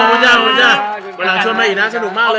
เวลางค์ช่วงหน่อยอีกสนุกมากแล้ว